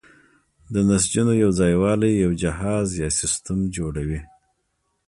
د نسجونو یوځای والی یو جهاز یا سیستم جوړوي.